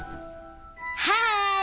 はい！